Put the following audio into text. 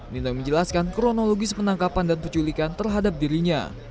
nino menjelaskan kronologis penangkapan dan penculikan terhadap dirinya